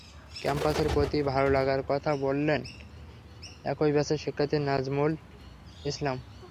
ক্যাম্পাসের প্রতি ভালো লাগার কথা বললেন একই ব্যাচের শিক্ষার্থী নাজমুল ইসলাম।